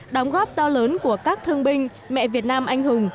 đóng góp to lớn của các thương binh mẹ việt nam anh hùng